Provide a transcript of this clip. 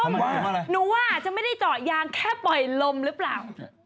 คำว่าอะไรหนูว่าจะไม่ได้เจาะยางแค่ปล่อยลมหรือเปล่า